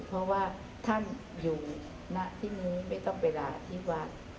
เพราะว่าท่านอยู่ณที่นี้ไม่ต้องไปลาที่วัด